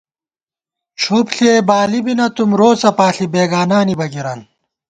ڄُھپ ݪِیَئ بالِی بی نَہ تُم، روڅہ پاݪی بېگانانی بَگِرَن